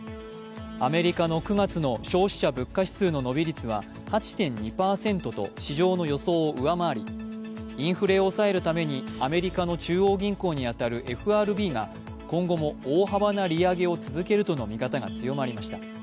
アメリカの９月の消費者物価指数の伸び率が８．２％と市場の予想を上回りインフレを抑えるためにアメリカの中央銀行に当たるＦＲＢが今後も大幅な利上げを続けるとの見方が強まりました。